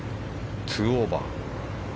２オーバー。